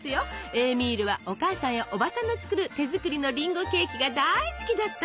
エーミールはお母さんやおばさんの作る手作りのりんごケーキが大好きだったの！